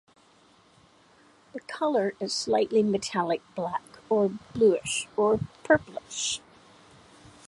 The color is slightly metallic black or bluish or purplish.